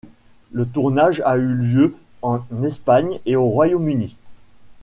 Le tournage a eu lieu en Espagne et au Royaume-Uni.